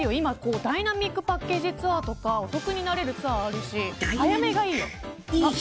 今、ダイナミックパッケージツアーとかお得になる所あるし早めがいいよ。